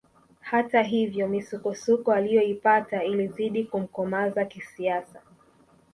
Hata hivyo misukosuko aliyoipitia ilizidi kumkomaza kisiasa